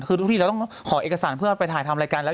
คือทุกทีเราต้องขอเอกสารเพื่อไปถ่ายทำรายการแล้ว